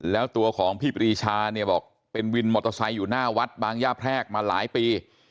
แล้วตัวของพี่ปรีชาเนี่ยบอกเป็นวินมอเตอร์ไซค์อยู่หน้าวัดบางย่าแพรกมาหลายปี